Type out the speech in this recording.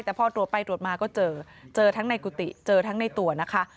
แต่พอตรวจไปตรวจมาก็เจอเจอทั้งในกุฏิเจอทั้งในตัวนะคะ